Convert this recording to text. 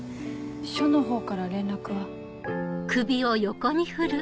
署のほうから連絡は？